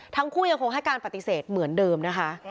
ทั้งคู่ยังคงให้การปฏิเสธเหมือนเดิมนะคะ